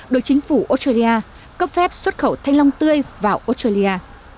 được chính phủ australia cấp phép xuất khẩu thanh long tươi vào australia